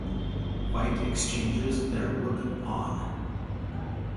White exchanges their rook pawn.